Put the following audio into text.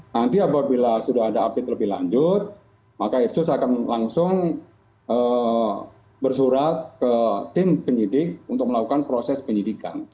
nanti apabila sudah ada update lebih lanjut maka irsus akan langsung bersurat ke tim penyidik untuk melakukan proses penyidikan